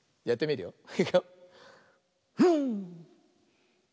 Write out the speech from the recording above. やってみるよ。